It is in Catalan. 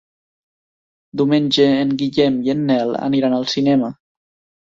Diumenge en Guillem i en Nel aniran al cinema.